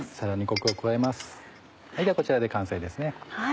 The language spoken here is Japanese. こちらで完成ですね。